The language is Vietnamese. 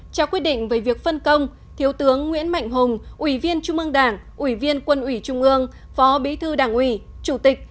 trao quyết định về việc phân công thiếu tướng nguyễn mạnh hùng ủy viên trung ương đảng ủy viên quân ủy trung ương phó bí thư đảng ủy chủ tịch